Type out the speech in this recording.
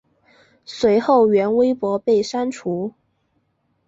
随后原微博被删除。